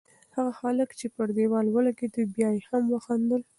هغه هلک چې پر دېوال ولگېد، بیا یې هم خندل.